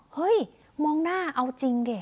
เฮ้ยมองหน้าเอาจริงเดี๋ยว